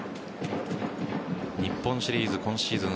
日本シリーズ今シーズン